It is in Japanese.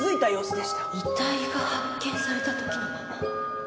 遺体が発見された時のまま。